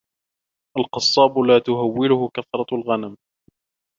القَصَّابُ لا تهوله كثرة الغنم